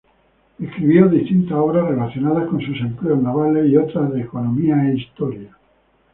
Escribió distintas obras relacionadas con sus empleos navales y otras de economía e historia.